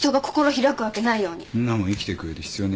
そんなもん生きてくうえで必要ねえじゃん。